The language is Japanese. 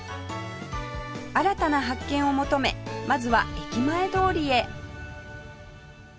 新たな発見を求めまずは駅前通りへ